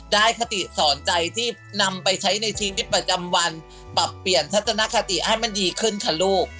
คติสอนใจที่นำไปใช้ในชีวิตประจำวันปรับเปลี่ยนทัศนคติให้มันดีขึ้นค่ะลูก